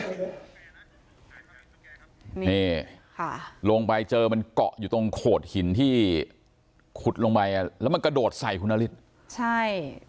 นี่ค่ะลงไปเจอมันเกาะอยู่ตรงโขดหินที่ขุดลงไปอ่ะแล้วมันกระโดดใส่คุณนฤทธิ์ใช่